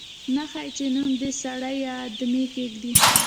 نه ښايي چې نوم دې سړی یا آدمي کېږدي.